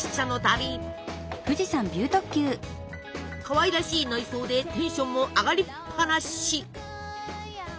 かわいらしい内装でテンションも上がりっぱなし！